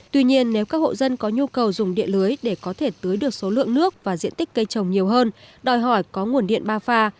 tuy nhiên nếu các hộ dân có nhu cầu dùng điện lưới để có thể tưới được số lượng nước và diện tích cây trồng nhiều hơn đòi hỏi có nguồn điện ba pha